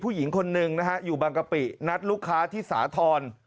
ผู้หญิงคนหนึ่งนะฮะอยู่บางกะปินัดลูกค้าที่สาธรณ์